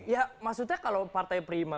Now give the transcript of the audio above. ya maksudnya kalau partai prima